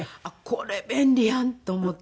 これ便利やん！と思って。